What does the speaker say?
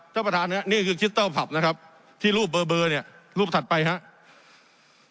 ท่านประธานครับนี่คือคิสเตอร์ผับนะครับที่รูปเบอร์เนี่ยรูปถัดไปครับ